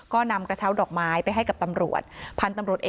ก็นำกระเช้าดอกไม้ไปให้กับตำรวจ